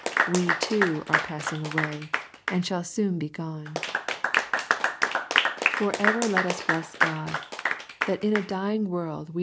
We too are passing sway, and shall soon be gone. Forever let us bless Gk>d, that in a dying world wo LUKE, CHAP.